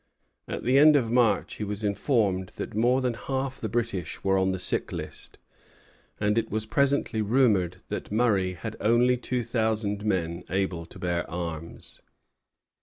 At the end of March he was informed that more than half the British were on the sick list; and it was presently rumored that Murray had only two thousand men able to bear arms.